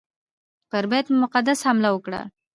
پر بیت المقدس حمله وکړه.